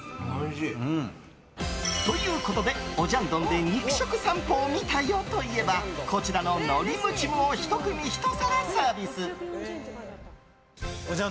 ということで、オジャンドンで肉食さんぽを見たよと言えばこちらの海苔ムチムを１組１皿サービス！